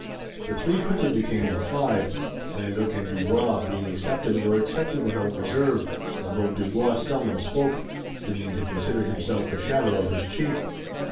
The three quickly became the five. St Luc and Dubois being accepted were accepted without reserve, although Dubois seldom spoke, seeming to consider himself the shadow of his chief.